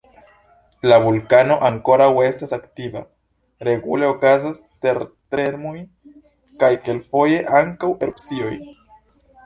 La vulkano ankoraŭ estas aktiva: regule okazas tertremoj kaj kelkfoje ankaŭ erupcioj.